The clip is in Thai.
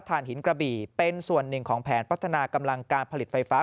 ฐานหินกระบี่เป็นส่วนหนึ่งของแผนพัฒนากำลังการผลิตไฟฟ้า